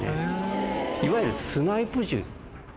いわゆるスナイプ銃。